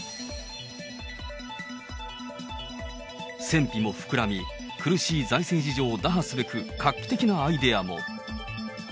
戦費も膨らみ、苦しい財政事情を打破すべく画期的なアイデアも。